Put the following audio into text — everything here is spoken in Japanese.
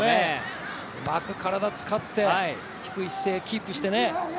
うまく体使って、低い姿勢をキープしてね。